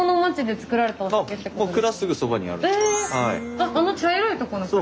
あっあの茶色いとこの蔵？